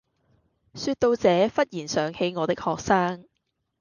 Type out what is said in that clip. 說到這忽然想起我的學生